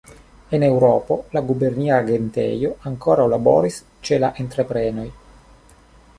En Eŭropo, la gubernia agentejo ankaŭ laboris ĉe la entreprenoj.